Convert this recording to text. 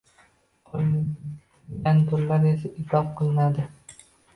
qolgan turlar esa itob qilinadi.